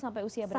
sampai usia berapa